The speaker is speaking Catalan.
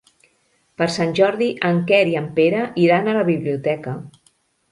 Per Sant Jordi en Quer i en Pere iran a la biblioteca.